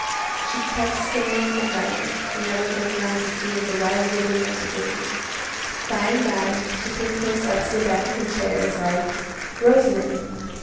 She kept staring at the fire, and never looked round to see what the wise woman might be doing. By and by she came close up to the back of her chair, and said, "Rosamond!"